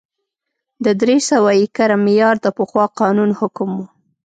د درې سوه ایکره معیار د پخوا قانون حکم و